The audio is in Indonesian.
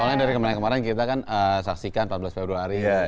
awalnya dari kemarin kemarin kita kan saksikan empat belas februari